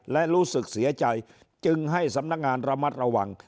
และรู้สึกเสียใจจึงให้สำนักงานระมัดระวัง